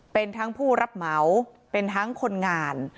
เป็นทั้งผู้รับเหมาเป็นทั้งคนงาน